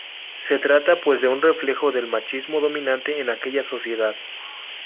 Se trata pues de un reflejo del machismo dominante en aquella sociedad.